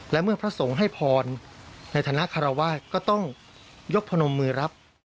และเมื่อพระสงฆ์ให้พรในฐานะคารวาสก็ต้องยกพนมมือรับ